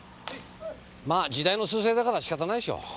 まあ時代の趨勢だから仕方ないでしょ。